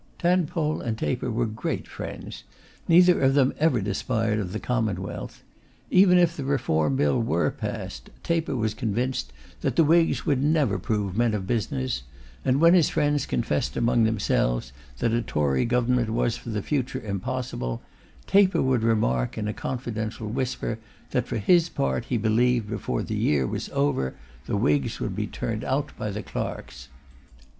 Tadpole and Taper were great friends. Neither of them ever despaired of the Commonwealth. Even if the Reform Bill were passed, Taper was convinced that the Whigs would never prove men of business; and when his friends confessed among themselves that a Tory Government was for the future impossible, Taper would remark, in a confidential whisper, that for his part he believed before the year was over the Whigs would be turned out by the clerks.